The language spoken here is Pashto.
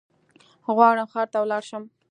غواړم ښار ته ولاړشم